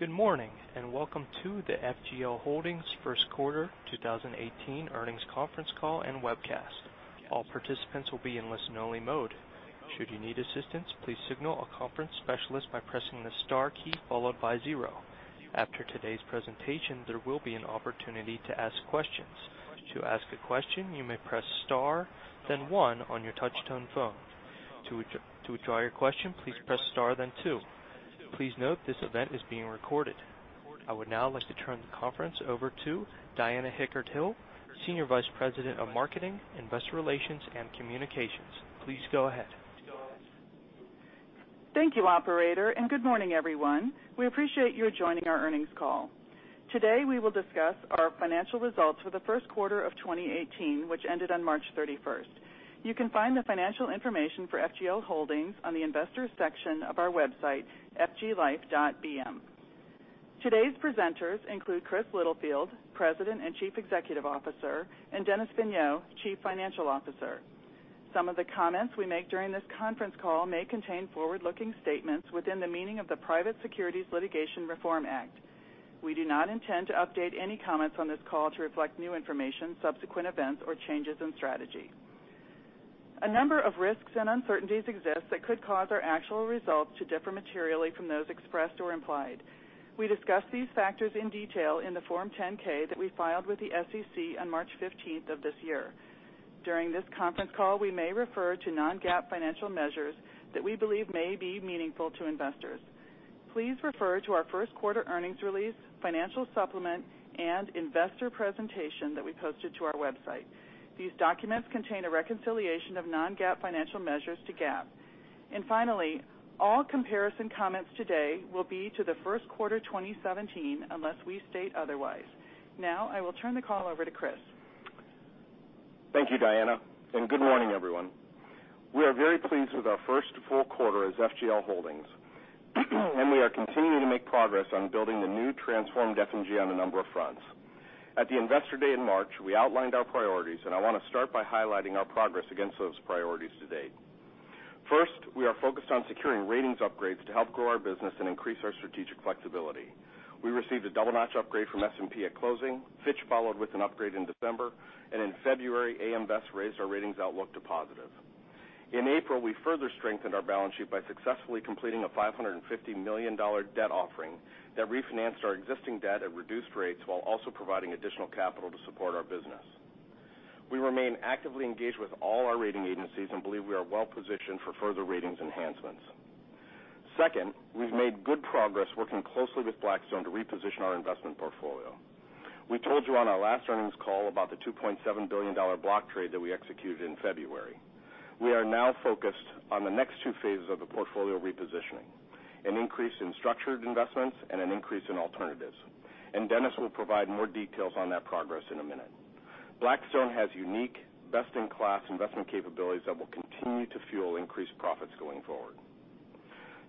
Good morning, and welcome to the FGL Holdings first quarter 2018 earnings conference call and webcast. All participants will be in listen-only mode. Should you need assistance, please signal a conference specialist by pressing the star key followed by zero. After today's presentation, there will be an opportunity to ask questions. To ask a question, you may press star, then one on your touch-tone phone. To withdraw your question, please press star, then two. Please note this event is being recorded. I would now like to turn the conference over to Diana Hickert-Hill, Senior Vice President of Marketing, Investor Relations, and Communications. Please go ahead. Thank you, operator. Good morning, everyone. We appreciate you joining our earnings call. Today, we will discuss our financial results for the first quarter of 2018, which ended on March 31st. You can find the financial information for FGL Holdings on the investors section of our website, fglife.bm. Today's presenters include Chris Littlefield, President and Chief Executive Officer, and Dennis Vigneault, Chief Financial Officer. Some of the comments we make during this conference call may contain forward-looking statements within the meaning of the Private Securities Litigation Reform Act. We do not intend to update any comments on this call to reflect new information, subsequent events, or changes in strategy. A number of risks and uncertainties exist that could cause our actual results to differ materially from those expressed or implied. We discussed these factors in detail in the Form 10-K that we filed with the SEC on March 15th of this year. During this conference call, we may refer to non-GAAP financial measures that we believe may be meaningful to investors. Please refer to our first quarter earnings release, financial supplement, and investor presentation that we posted to our website. These documents contain a reconciliation of non-GAAP financial measures to GAAP. Finally, all comparison comments today will be to the first quarter 2017, unless we state otherwise. Now, I will turn the call over to Chris. Thank you, Diana. Good morning, everyone. We are very pleased with our first full quarter as FGL Holdings, and we are continuing to make progress on building the new transformed F&G on a number of fronts. At the Investor Day in March, we outlined our priorities, and I want to start by highlighting our progress against those priorities to date. First, we are focused on securing ratings upgrades to help grow our business and increase our strategic flexibility. We received a double-notch upgrade from S&P at closing, Fitch followed with an upgrade in December, and in February, AM Best raised our ratings outlook to positive. In April, we further strengthened our balance sheet by successfully completing a $550 million debt offering that refinanced our existing debt at reduced rates while also providing additional capital to support our business. We remain actively engaged with all our rating agencies and believe we are well-positioned for further ratings enhancements. Second, we've made good progress working closely with Blackstone to reposition our investment portfolio. We told you on our last earnings call about the $2.7 billion block trade that we executed in February. We are now focused on the next 2 phases of the portfolio repositioning, an increase in structured investments and an increase in alternatives. Dennis will provide more details on that progress in a minute. Blackstone has unique best-in-class investment capabilities that will continue to fuel increased profits going forward.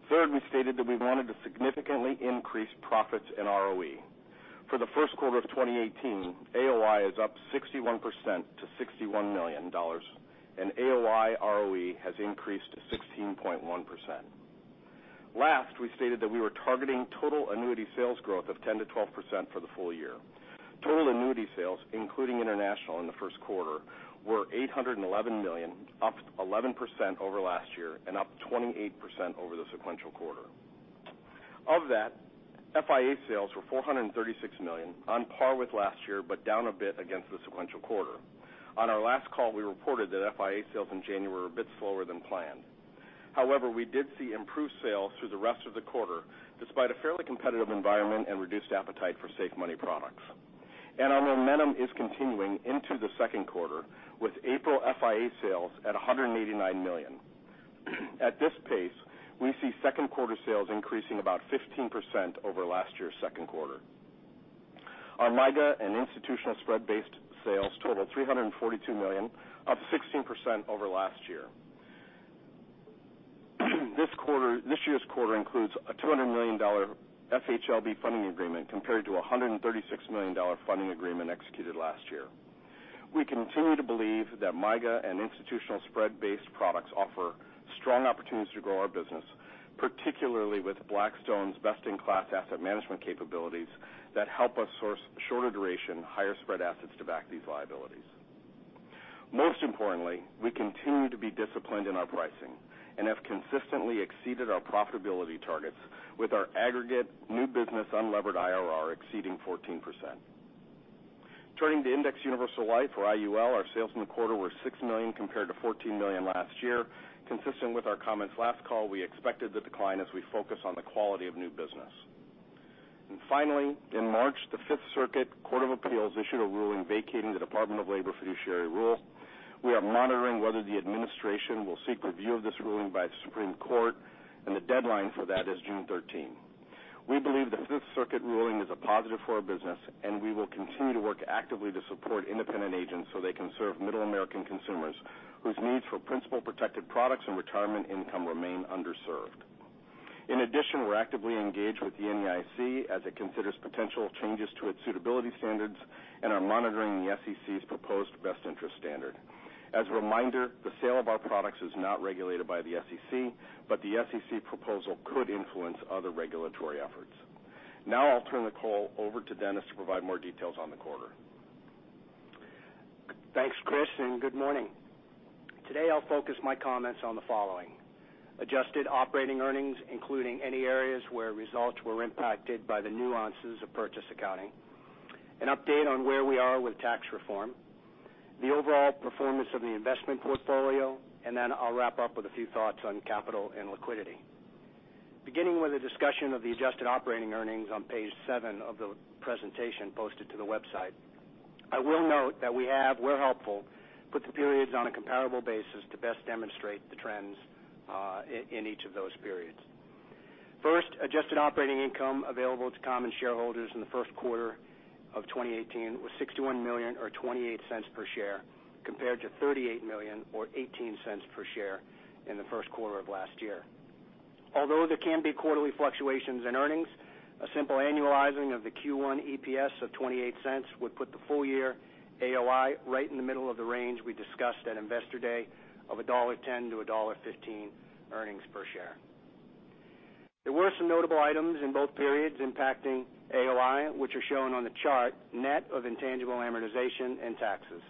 Third, we stated that we wanted to significantly increase profits and ROE. For the first quarter of 2018, AOI is up 61% to $61 million, and AOI ROE has increased to 16.1%. Last, we stated that we were targeting total annuity sales growth of 10%-12% for the full year. Total annuity sales, including international in the first quarter, were $811 million, up 11% over last year and up 28% over the sequential quarter. Of that, FIA sales were $436 million, on par with last year, but down a bit against the sequential quarter. On our last call, we reported that FIA sales in January were a bit slower than planned. We did see improved sales through the rest of the quarter, despite a fairly competitive environment and reduced appetite for safe money products. Our momentum is continuing into the second quarter, with April FIA sales at $189 million. At this pace, we see second quarter sales increasing about 15% over last year's second quarter. Our MYGA and institutional spread-based sales totaled $342 million, up 16% over last year. This year's quarter includes a $200 million FHLB funding agreement compared to a $136 million funding agreement executed last year. We continue to believe that MYGA and institutional spread-based products offer strong opportunities to grow our business, particularly with Blackstone's best-in-class asset management capabilities that help us source shorter duration, higher spread assets to back these liabilities. Most importantly, we continue to be disciplined in our pricing and have consistently exceeded our profitability targets with our aggregate new business unlevered IRR exceeding 14%. Turning to Indexed Universal Life or IUL, our sales in the quarter were $6 million compared to $14 million last year. Consistent with our comments last call, we expected the decline as we focus on the quality of new business. Finally, in March, the Fifth Circuit Court of Appeals issued a ruling vacating the Department of Labor fiduciary rule. We are monitoring whether the administration will seek review of this ruling by the Supreme Court. The deadline for that is June 13th. We believe the Fifth Circuit ruling is a positive for our business. We will continue to work actively to support independent agents so they can serve middle American consumers whose needs for principal protected products and retirement income remain underserved. In addition, we're actively engaged with the NAIC as it considers potential changes to its suitability standards and are monitoring the SEC's proposed best interest standard. As a reminder, the sale of our products is not regulated by the SEC. The SEC proposal could influence other regulatory efforts. Now I'll turn the call over to Dennis to provide more details on the quarter. Thanks, Chris. Good morning. Today I'll focus my comments on the following: adjusted operating earnings, including any areas where results were impacted by the nuances of purchase accounting, an update on where we are with tax reform, the overall performance of the investment portfolio, and I'll wrap up with a few thoughts on capital and liquidity. Beginning with a discussion of the adjusted operating earnings on page seven of the presentation posted to the website. I will note that we have, where helpful, put the periods on a comparable basis to best demonstrate the trends in each of those periods. First, adjusted operating income available to common shareholders in the first quarter of 2018 was $61 million or $0.28 per share, compared to $38 million or $0.18 per share in the first quarter of last year. Although there can be quarterly fluctuations in earnings, a simple annualizing of the Q1 EPS of $0.28 would put the full year AOI right in the middle of the range we discussed at Investor Day of $1.10 to $1.15 earnings per share. There were some notable items in both periods impacting AOI, which are shown on the chart, net of intangible amortization and taxes.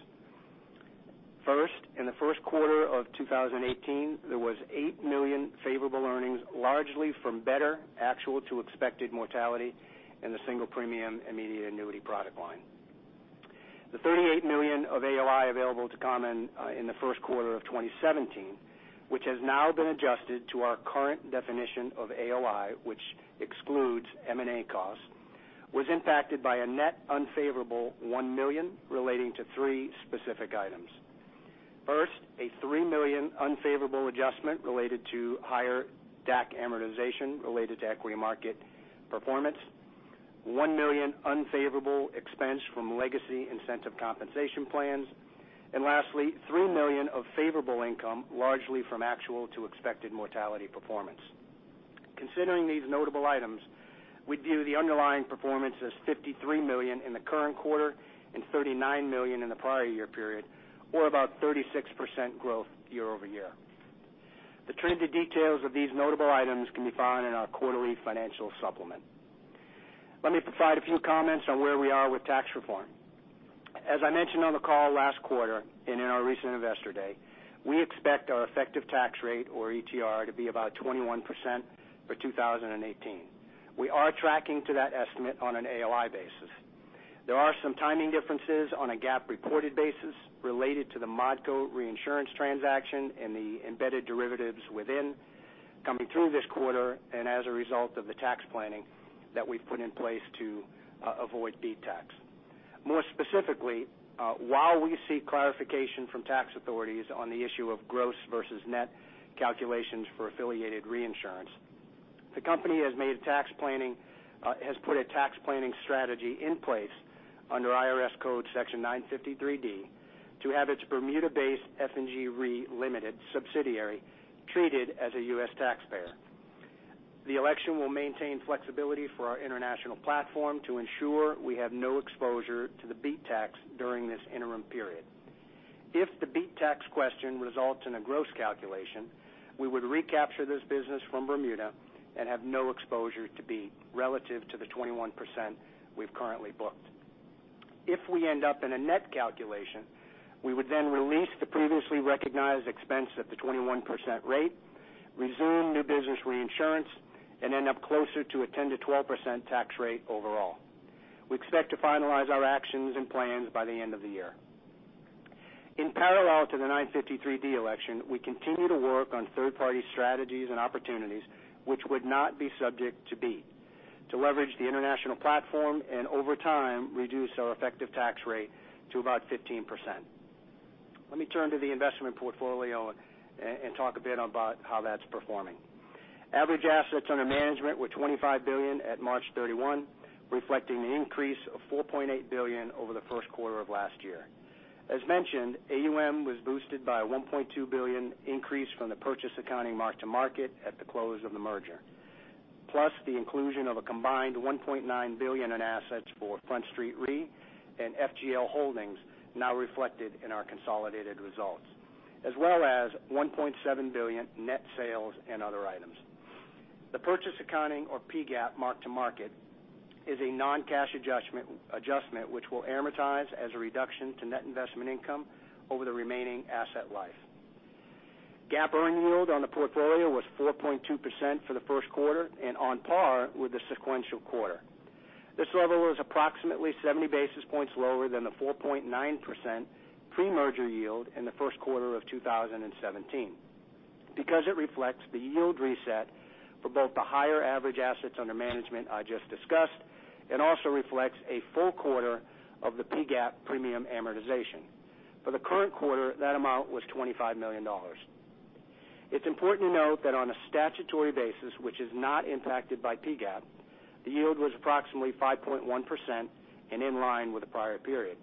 First, in the first quarter of 2018, there was $8 million favorable earnings, largely from better actual to expected mortality in the Single Premium Immediate Annuity product line. The $38 million of AOI available to common in the first quarter of 2017, which has now been adjusted to our current definition of AOI, which excludes M&A costs, was impacted by a net unfavorable $1 million relating to three specific items. First, a $3 million unfavorable adjustment related to higher DAC amortization related to equity market performance, $1 million unfavorable expense from legacy incentive compensation plans, and lastly, $3 million of favorable income largely from actual to expected mortality performance. Considering these notable items, we view the underlying performance as $53 million in the current quarter and $39 million in the prior year period, or about 36% growth year-over-year. The trend and details of these notable items can be found in our quarterly financial supplement. Let me provide a few comments on where we are with tax reform. As I mentioned on the call last quarter and in our recent Investor Day, we expect our effective tax rate or ETR to be about 21% for 2018. We are tracking to that estimate on an AOI basis. There are some timing differences on a GAAP reported basis related to the ModCo reinsurance transaction and the embedded derivatives within coming through this quarter and as a result of the tax planning that we've put in place to avoid BEAT tax. More specifically, while we seek clarification from tax authorities on the issue of gross versus net calculations for affiliated reinsurance, the company has put a tax planning strategy in place under IRS Code Section 953 to have its Bermuda-based F&G Reinsurance Ltd subsidiary treated as a U.S. taxpayer. The election will maintain flexibility for our international platform to ensure we have no exposure to the BEAT tax during this interim period. If the BEAT tax question results in a gross calculation, we would recapture this business from Bermuda and have no exposure to BEAT relative to the 21% we've currently booked. If we end up in a net calculation, we would then release the previously recognized expense at the 21% rate, resume new business reinsurance, and end up closer to a 10%-12% tax rate overall. We expect to finalize our actions and plans by the end of the year. In parallel to the 953 election, we continue to work on third-party strategies and opportunities which would not be subject to BEAT to leverage the international platform and over time, reduce our effective tax rate to about 15%. Let me turn to the investment portfolio and talk a bit about how that's performing. Average assets under management were $25 billion at March 31, reflecting an increase of $4.8 billion over the first quarter of last year. As mentioned, AUM was boosted by a $1.2 billion increase from the purchase accounting mark to market at the close of the merger, plus the inclusion of a combined $1.9 billion in assets for Front Street Re and FGL Holdings now reflected in our consolidated results, as well as $1.7 billion net sales and other items. The purchase accounting or GAAP mark to market is a non-cash adjustment which will amortize as a reduction to net investment income over the remaining asset life. GAAP earning yield on the portfolio was 4.2% for the first quarter and on par with the sequential quarter. This level is approximately 70 basis points lower than the 4.9% pre-merger yield in the first quarter of 2017 because it reflects the yield reset for both the higher average assets under management I just discussed, and also reflects a full quarter of the GAAP premium amortization. For the current quarter, that amount was $25 million. It's important to note that on a statutory basis, which is not impacted by GAAP, the yield was approximately 5.1% and in line with the prior period.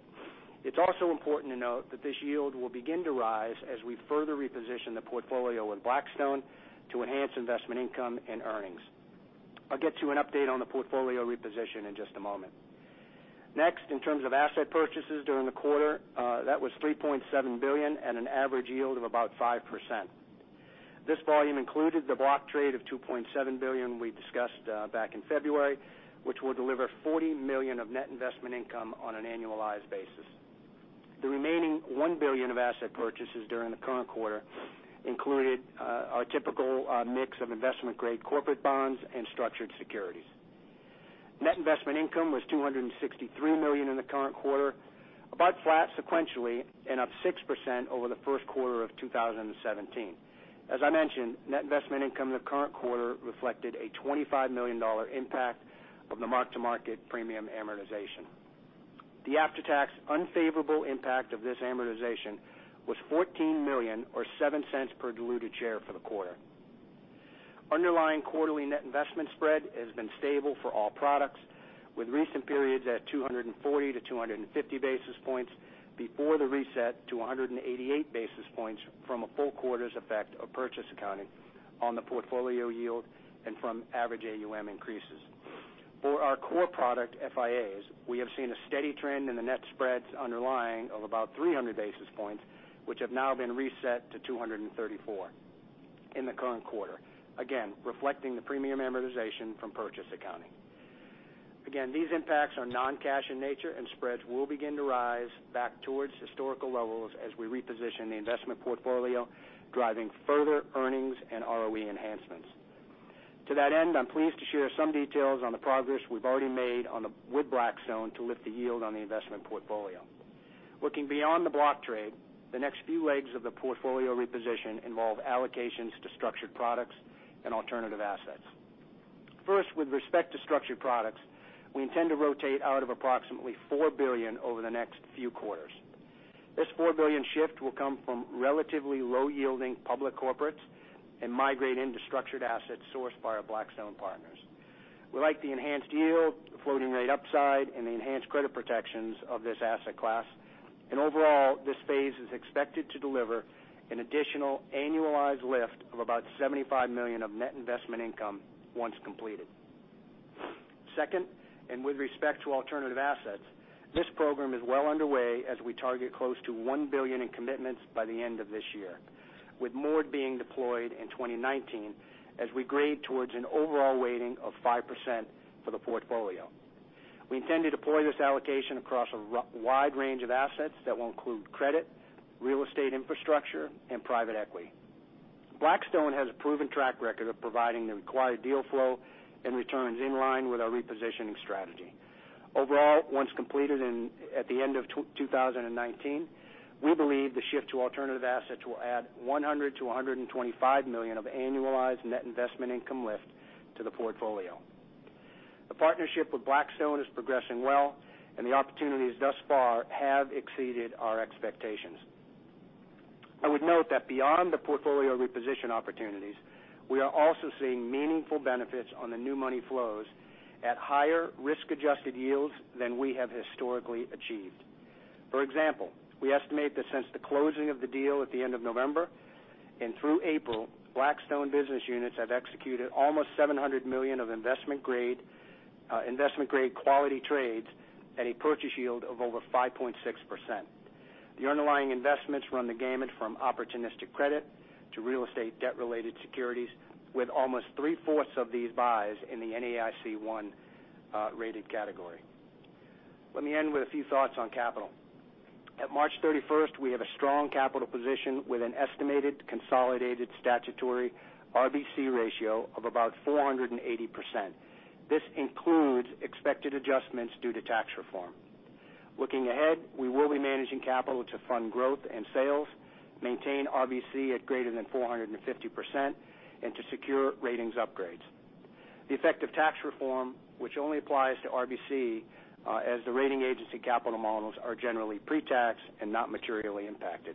It's also important to note that this yield will begin to rise as we further reposition the portfolio with Blackstone to enhance investment income and earnings. I'll get to an update on the portfolio reposition in just a moment. Next, in terms of asset purchases during the quarter, that was $3.7 billion at an average yield of about 5%. This volume included the block trade of $2.7 billion we discussed back in February, which will deliver $40 million of net investment income on an annualized basis. The remaining $1 billion of asset purchases during the current quarter included our typical mix of investment-grade corporate bonds and structured securities. Net investment income was $263 million in the current quarter, about flat sequentially, and up 6% over the first quarter of 2017. As I mentioned, net investment income in the current quarter reflected a $25 million impact of the mark-to-market premium amortization. The after-tax unfavorable impact of this amortization was $14 million or $0.07 per diluted share for the quarter. Underlying quarterly net investment spread has been stable for all products, with recent periods at 240-250 basis points before the reset to 188 basis points from a full quarter's effect of purchase accounting on the portfolio yield and from average AUM increases. For our core product FIAs, we have seen a steady trend in the net spreads underlying of about 300 basis points, which have now been reset to 234 in the current quarter, again, reflecting the premium amortization from purchase accounting. These impacts are non-cash in nature, and spreads will begin to rise back towards historical levels as we reposition the investment portfolio, driving further earnings and ROE enhancements. To that end, I'm pleased to share some details on the progress we've already made with Blackstone to lift the yield on the investment portfolio. Looking beyond the block trade, the next few legs of the portfolio reposition involve allocations to structured products and alternative assets. First, with respect to structured products, we intend to rotate out of approximately $4 billion over the next few quarters. This $4 billion shift will come from relatively low-yielding public corporates and migrate into structured assets sourced by our Blackstone partners. We like the enhanced yield, the floating rate upside, and the enhanced credit protections of this asset class. Overall, this phase is expected to deliver an additional annualized lift of about $75 million of net investment income once completed. Second, with respect to alternative assets, this program is well underway as we target close to $1 billion in commitments by the end of this year, with more being deployed in 2019 as we grade towards an overall weighting of 5% for the portfolio. We intend to deploy this allocation across a wide range of assets that will include credit, real estate infrastructure, and private equity. Blackstone has a proven track record of providing the required deal flow and returns in line with our repositioning strategy. Overall, once completed at the end of 2019, we believe the shift to alternative assets will add $100 million-$125 million of annualized net investment income lift to the portfolio. The partnership with Blackstone is progressing well, and the opportunities thus far have exceeded our expectations. I would note that beyond the portfolio reposition opportunities, we are also seeing meaningful benefits on the new money flows at higher risk-adjusted yields than we have historically achieved. For example, we estimate that since the closing of the deal at the end of November and through April, Blackstone business units have executed almost $700 million of investment-grade quality trades at a purchase yield of over 5.6%. The underlying investments run the gamut from opportunistic credit to real estate debt-related securities, with almost three-fourths of these buys in the NAIC I rated category. Let me end with a few thoughts on capital. At March 31st, we have a strong capital position with an estimated consolidated statutory RBC ratio of about 480%. This includes expected adjustments due to tax reform. Looking ahead, we will be managing capital to fund growth and sales, maintain RBC at greater than 450%, and to secure ratings upgrades. The effective tax reform, which only applies to RBC as the rating agency capital models are generally pre-tax and not materially impacted.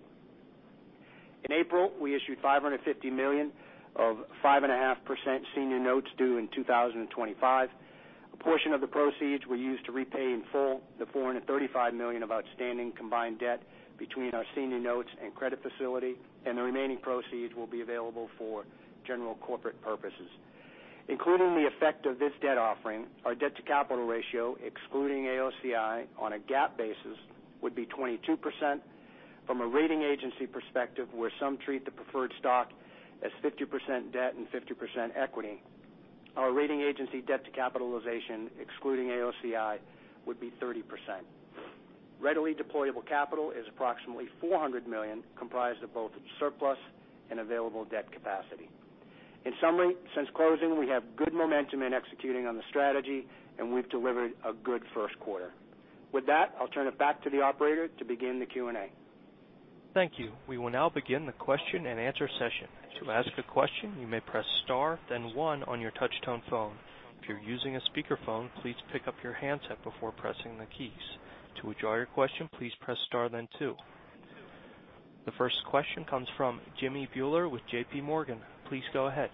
In April, we issued $550 million of 5.5% senior notes due in 2025. A portion of the proceeds were used to repay in full the $435 million of outstanding combined debt between our senior notes and credit facility, and the remaining proceeds will be available for general corporate purposes. Including the effect of this debt offering, our debt-to-capital ratio, excluding AOCI, on a GAAP basis, would be 22%. From a rating agency perspective, where some treat the preferred stock as 50% debt and 50% equity, our rating agency debt to capitalization, excluding AOCI, would be 30%. Readily deployable capital is approximately $400 million, comprised of both surplus and available debt capacity. In summary, since closing, we have good momentum in executing on the strategy, and we've delivered a good first quarter. With that, I'll turn it back to the operator to begin the Q&A. Thank you. We will now begin the question and answer session. To ask a question, you may press star then one on your touch-tone phone. If you're using a speakerphone, please pick up your handset before pressing the keys. To withdraw your question, please press star then two. The first question comes from Jimmy Bhullar with JPMorgan. Please go ahead.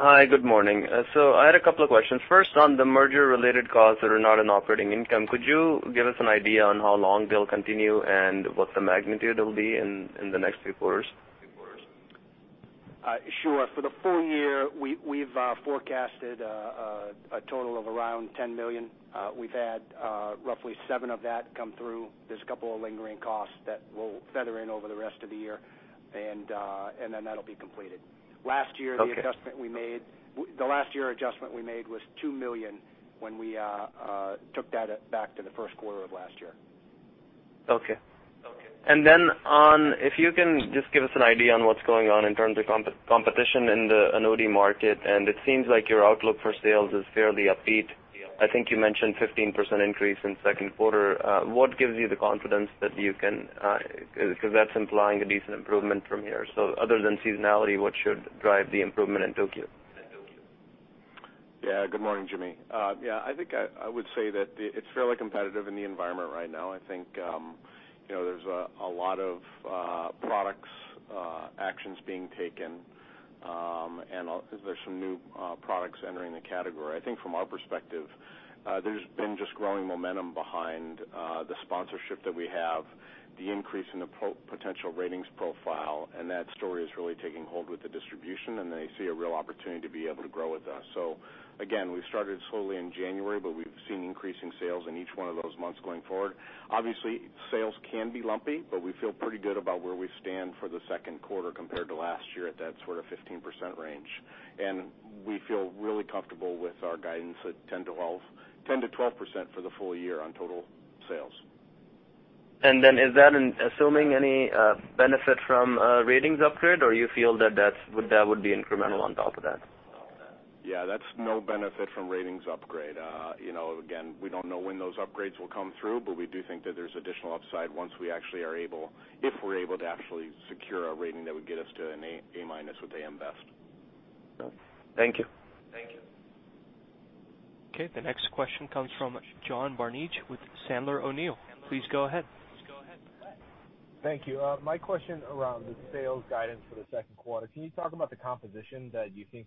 Hi. Good morning. I had a couple of questions. First, on the merger-related costs that are not in operating income, could you give us an idea on how long they'll continue and what the magnitude will be in the next few quarters? Sure. For the full year, we've forecasted a total of around $10 million. We've had roughly seven of that come through. There's a couple of lingering costs that will feather in over the rest of the year, and then that'll be completed. Okay. The last year adjustment we made was $2 million when we took that back to the first quarter of last year. Okay. If you can just give us an idea on what's going on in terms of competition in the annuity market, and it seems like your outlook for sales is fairly upbeat. I think you mentioned 15% increase in second quarter. What gives you the confidence that you can, because that's implying a decent improvement from here. Other than seasonality, what should drive the improvement in Q2? Good morning, Jimmy. I think I would say that it's fairly competitive in the environment right now. I think there's a lot of product actions being taken, and there's some new products entering the category. I think from our perspective, there's been just growing momentum behind the sponsorship that we have, the increase in the potential ratings profile, and that story is really taking hold with the distribution, and they see a real opportunity to be able to grow with us. Again, we started slowly in January, but we've seen increasing sales in each one of those months going forward. Obviously, sales can be lumpy, but we feel pretty good about where we stand for the second quarter compared to last year at that sort of 15% range. We feel really comfortable with our guidance at 10%-12% for the full year on total sales. Is that assuming any benefit from a ratings upgrade, or you feel that would be incremental on top of that? Yeah, that's no benefit from ratings upgrade. Again, we don't know when those upgrades will come through, but we do think that there's additional upside once we actually are able, if we're able to actually secure a rating that would get us to an A-minus with AM Best. Thank you. Okay. The next question comes from John Barnidge with Sandler O'Neill. Please go ahead. Thank you. My question around the sales guidance for the second quarter, can you talk about the composition that you think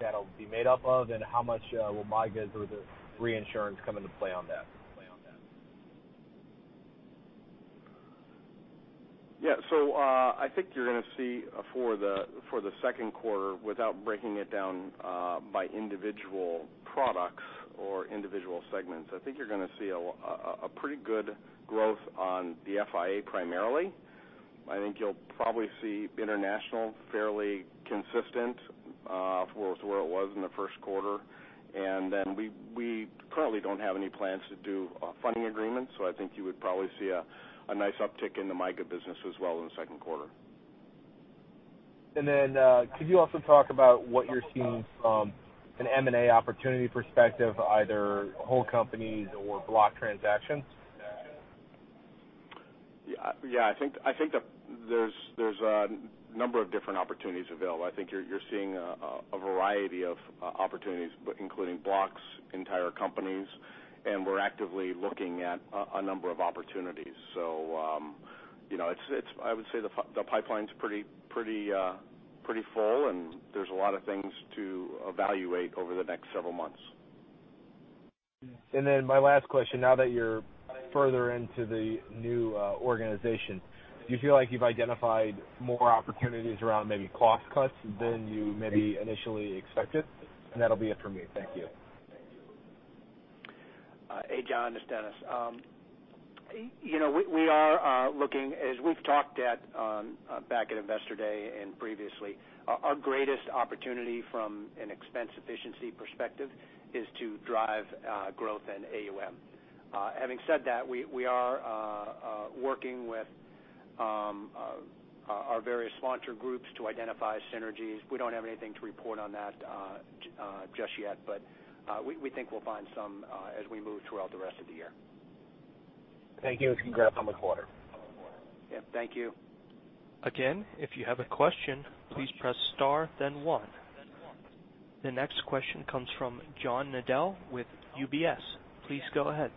that'll be made up of, and how much will MYGAs or the reinsurance come into play on that? I think you're going to see for the second quarter, without breaking it down by individual products or individual segments, I think you're going to see a pretty good growth on the FIA primarily. I think you'll probably see international fairly consistent for where it was in the first quarter. We currently don't have any plans to do funding agreements, I think you would probably see a nice uptick in the MYGA business as well in the second quarter. Could you also talk about what you're seeing from an M&A opportunity perspective, either whole companies or block transactions? I think that there's a number of different opportunities available. I think you're seeing a variety of opportunities, including blocks, entire companies, we're actively looking at a number of opportunities. I would say the pipeline's pretty full, there's a lot of things to evaluate over the next several months. My last question, now that you're further into the new organization, do you feel like you've identified more opportunities around maybe cost cuts than you maybe initially expected? That'll be it for me. Thank you. Hey, John, it's Dennis. We are looking, as we've talked at back at Investor Day and previously, our greatest opportunity from an expense efficiency perspective is to drive growth in AUM. Having said that, we are working with our various sponsor groups to identify synergies. We don't have anything to report on that just yet, but we think we'll find some as we move throughout the rest of the year. Thank you, and congrats on the quarter. Yeah, thank you. Again, if you have a question, please press star, then one. The next question comes from John Nadel with UBS. Please go ahead.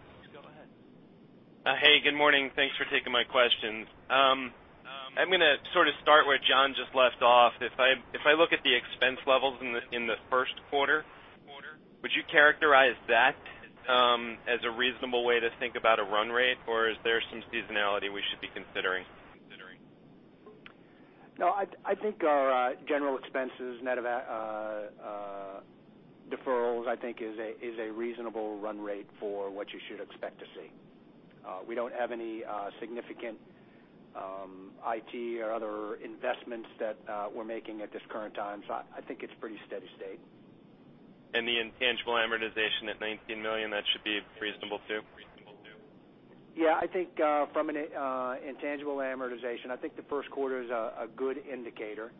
Hey, good morning. Thanks for taking my questions. I'm going to sort of start where John just left off. If I look at the expense levels in the first quarter, would you characterize that as a reasonable way to think about a run rate, or is there some seasonality we should be considering? No, I think our general expenses net of deferrals, I think is a reasonable run rate for what you should expect to see. We don't have any significant IT or other investments that we're making at this current time. I think it's pretty steady state. The intangible amortization at $19 million, that should be reasonable, too? I think from an intangible amortization, I think the first quarter is a good indicator.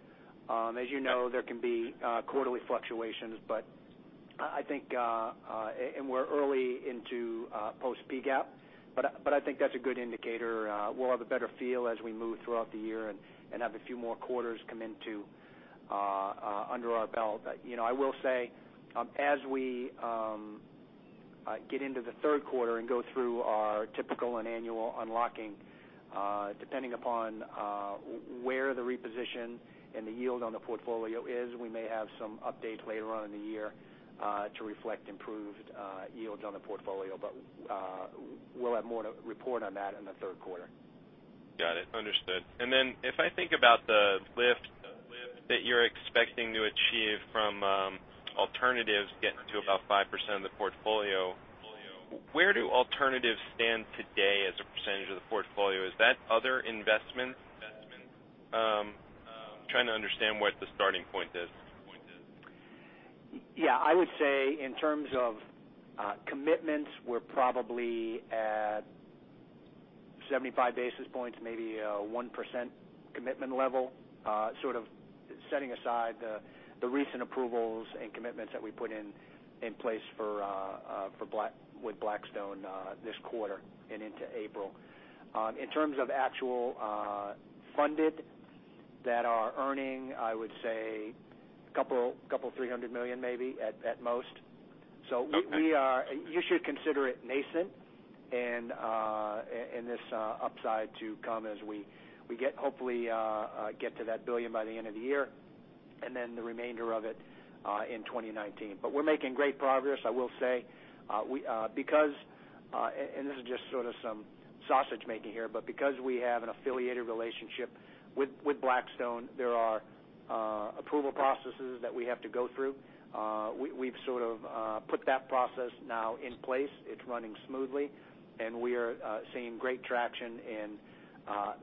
As you know, there can be quarterly fluctuations, but I think, and we're early into post PGAAP, but I think that's a good indicator. We'll have a better feel as we move throughout the year and have a few more quarters come into under our belt. I will say, as we get into the third quarter and go through our typical and annual unlocking, depending upon where the reposition and the yield on the portfolio is, we may have some updates later on in the year to reflect improved yields on the portfolio. We'll have more to report on that in the third quarter. Got it. Understood. If I think about the lift that you're expecting to achieve from Alternatives getting to about 5% of the portfolio. Where do alternatives stand today as a percentage of the portfolio? Is that other investment? I'm trying to understand what the starting point is. Yeah. I would say in terms of commitments, we're probably at 75 basis points, maybe a 1% commitment level, setting aside the recent approvals and commitments that we put in place with Blackstone this quarter and into April. In terms of actual funded that are earning, I would say a couple of $300 million maybe at most. You should consider it nascent and this upside to come as we hopefully get to that $1 billion by the end of the year, and then the remainder of it in 2019. We're making great progress, I will say. This is just some sausage-making here. Because we have an affiliated relationship with Blackstone, there are approval processes that we have to go through. We've put that process now in place. It's running smoothly. We are seeing great traction in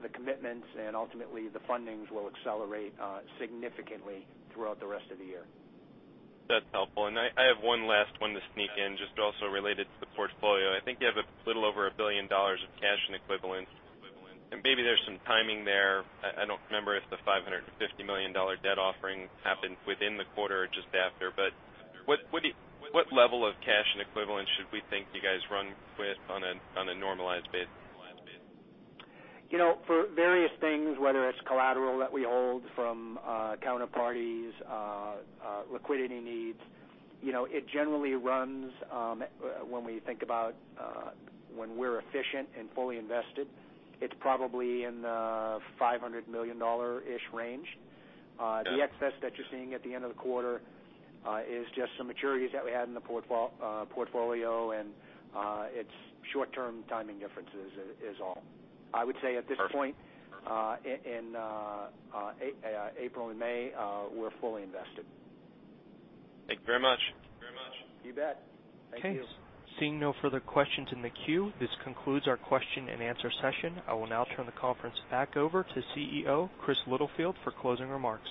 the commitments, and ultimately, the fundings will accelerate significantly throughout the rest of the year. That's helpful. I have one last one to sneak in, just also related to the portfolio. I think you have a little over $1 billion of cash and equivalents, and maybe there's some timing there. I don't remember if the $550 million debt offering happened within the quarter or just after. What level of cash and equivalents should we think you guys run with on a normalized basis? For various things, whether it's collateral that we hold from counterparties, liquidity needs, it generally runs, when we think about when we're efficient and fully invested, it's probably in the $500 million-ish range. Yeah. The excess that you're seeing at the end of the quarter is just some maturities that we had in the portfolio, and it's short-term timing differences is all. I would say at this point. Perfect In April and May, we're fully invested. Thank you very much. You bet. Thank you. Okay. Seeing no further questions in the queue, this concludes our question and answer session. I will now turn the conference back over to CEO Chris Littlefield for closing remarks.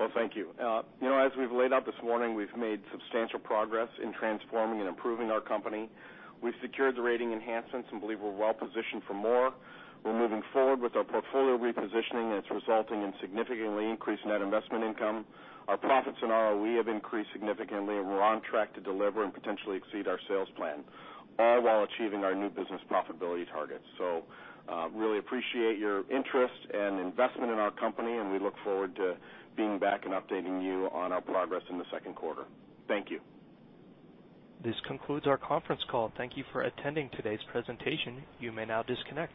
Well, thank you. As we've laid out this morning, we've made substantial progress in transforming and improving our company. We've secured the rating enhancements and believe we're well-positioned for more. We're moving forward with our portfolio repositioning, and it's resulting in significantly increased net investment income. Our profits and ROE have increased significantly, and we're on track to deliver and potentially exceed our sales plan, all while achieving our new business profitability targets. Really appreciate your interest and investment in our company, and we look forward to being back and updating you on our progress in the second quarter. Thank you. This concludes our conference call. Thank you for attending today's presentation. You may now disconnect.